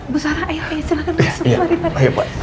bu sarah ayo silahkan masuk